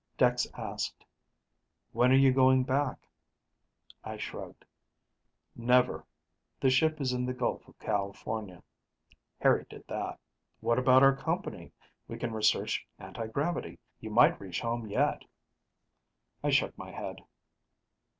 Dex asked, "When are you going back?" I shrugged. "Never. The ship is in the Gulf of California ... Harry did that." "What about our company? We can research anti gravity. You might reach home yet." I shook my head.